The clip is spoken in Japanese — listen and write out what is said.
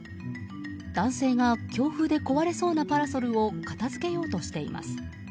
男性が強風で壊れそうなパラソルを片付けようとしています。